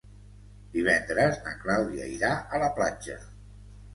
Divendres na Clàudia irà a la platja.